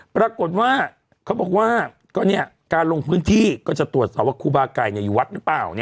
ปรากฏว่าเขาบอกว่าการลงพื้นที่ก็จะตรวจสอบว่าครูบาไก่อยู่วัดหรือเปล่า